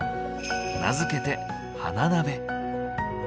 名付けて「花鍋」。